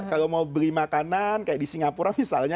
kalau mau beli makanan kayak di singapura misalnya